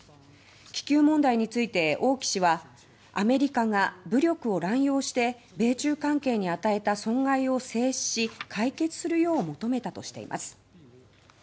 気球問題について王毅氏はアメリカが武力を乱用して米中関係に与えた損害を制し解決するよう求めたとしています。